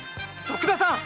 徳田さん。